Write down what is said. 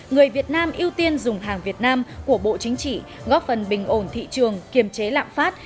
người việt nam ưu tiên dùng hàng việt nam của bộ chính trị góp phần bình ổn thị trường kiềm chế lạm phát